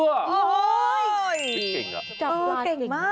โอ้โฮ